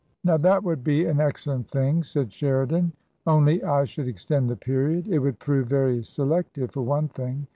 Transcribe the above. Now, that would be an excellent thing," said Sheri dan, " only I should extend the period. It would prove very selective for one thing.